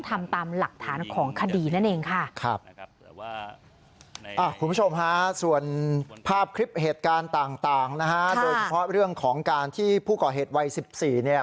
นะฮะค่ะโดยเฉพาะเรื่องของการที่ผู้ก่อเหตุวัยสิบสี่เนี่ย